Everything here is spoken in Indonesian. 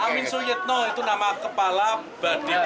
amin syidno itu nama kepala badit